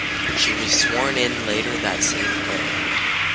She was sworn in later that same day.